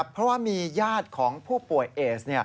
เพราะว่ามีญาติของผู้ป่วยเอส